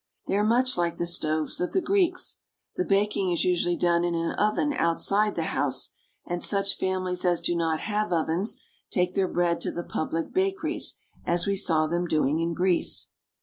They are much like the stoves of the Greeks. The baking is usually done in an oven outside the house, and such families as do not have ovens take their bread to the pub lic bakeries, as we saw them doing in Greece.